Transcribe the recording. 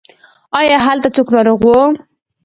ایا هلته څوک ناروغ و؟